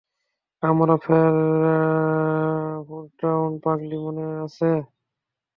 আমরা ফোরটাউন-পাগলী, মনে আছে?